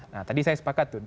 nah tadi saya sepakat